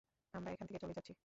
আমরা এখান থেকে চলে যাচ্ছি।